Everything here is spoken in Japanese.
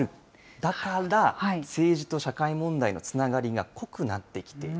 だから、政治と社会問題のつながりが濃くなってきている。